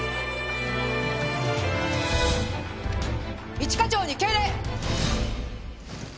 一課長に敬礼！